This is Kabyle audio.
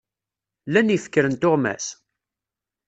Lan yifekren tuɣmas?